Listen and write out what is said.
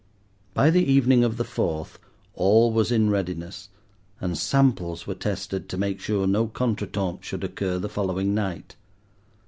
By the evening of the fourth all was in readiness, and samples were tested to make sure that no contretemps should occur the following night.